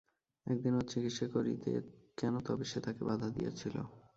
একদিন ওর চিকিৎসা করিতে কেন তবে সে তাকে বাঁধা দিয়াছিল?